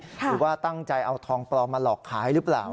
หรือว่าตั้งใจเอาทองปลอมมาหลอกขายหรือเปล่า